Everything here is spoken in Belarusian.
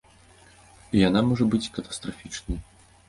І яна можа быць катастрафічнай.